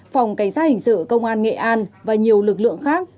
phòng cảnh sát hình sự công an nghệ an và nhiều lực lượng khác